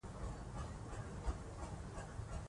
نړیوالو ته یې وړاندې کړئ.